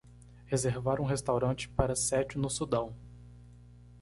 reservar um restaurante para sete no Sudão